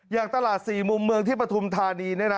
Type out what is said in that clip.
อย่างตลาด๔มุมเมืองที่ปฐุมธานีเนี่ยนะ